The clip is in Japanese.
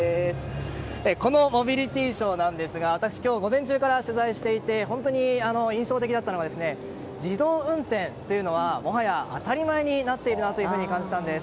この「モビリティショー」なんですが午前中から取材していて本当に印象的だったのが自動運転というのはもはや当たり前になっているなと感じたんです。